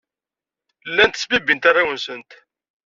Llant ttbibbint arraw-nsent.